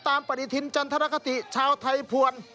ตามประดิษฐินจันทรคติชาวไทยภวร